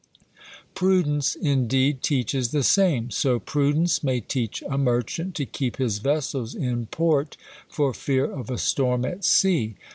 Prudence, indeed, teaches the same. So prudence may teach a merchant to keep his vessels in port for fear of a storm at sea.